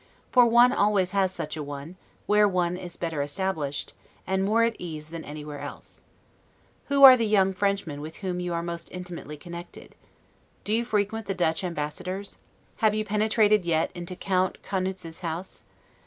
For one always has such a one, where one is better established, and more at ease than anywhere else. Who are the young Frenchmen with whom you are most intimately connected? Do you frequent the Dutch Ambassador's. Have you penetrated yet into Count Caunitz's house?